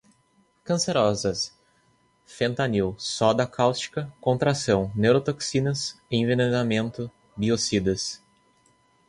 cancerosas, fentanil, soda cáustica, contração, neurotoxinas, envenenamento, biocidas